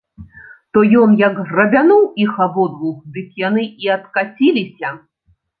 То ён як грабянуў іх абодвух, дык яны і адкаціліся.